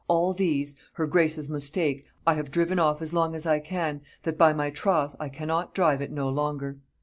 All these, her grace's mostake, I have driven off as long as I can, that, by my troth, I cannot drive it no lenger.